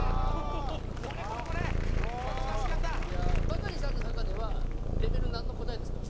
バカリさんの中ではレベルなんの答えですか？